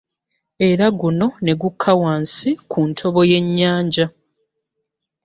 Era guno ne gukka wansi ku ntobo y'ennyanja